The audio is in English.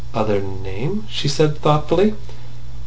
"Other name?" she said thoughtfully.